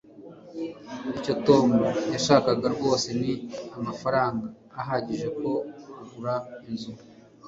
icyo tom yashakaga rwose ni amafaranga ahagije yo kugura inzu